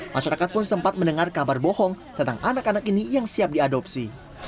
masyarakat pun sempat mendengar kabar bohong tentang anak anak ini yang siap diadopsi